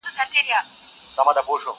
په ځنځیر د دروازې به هسي ځان مشغولوینه!.